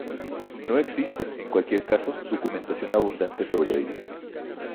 No existe, en cualquier caso, documentación abundante sobre ellos.